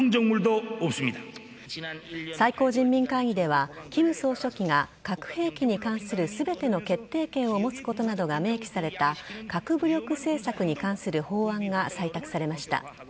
最高人民会議では金総書記が核兵器に関する全ての決定権を持つことなどが明記された核武力政策に関する法案が採択されました。